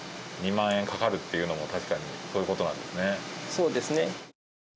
そうですね。